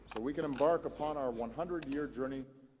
vì vậy chúng ta có thể tập trung vào cuộc đời một trăm linh năm